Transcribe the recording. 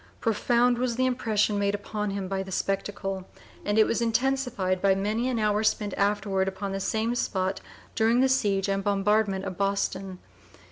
Profound was the impression made upon him by the spectacle, and it was intensified by many an hour spent afterward upon the same spot during the siege and bombardment of Boston.